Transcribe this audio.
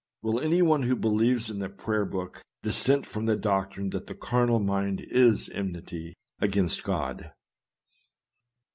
Will any one who believes in the Prayer Book dissent from the doctrine that " the carnal mind is enmity against God